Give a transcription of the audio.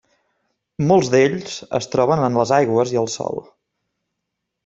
Molts d'ells es troben en les aigües i el sòl.